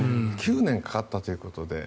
９年かかったということで。